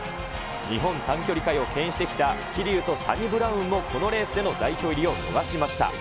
日本単距離界をけん引してきた桐生とサニブラウンもこのレースでの代表入りを逃しました。